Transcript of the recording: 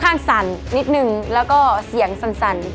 รวมทั้งหมดอังุ่นได้ไปทั้งหมด๕๕คะแนนค่ะ